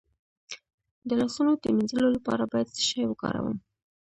د لاسونو د مینځلو لپاره باید څه شی وکاروم؟